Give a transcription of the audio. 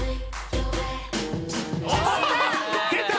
出た！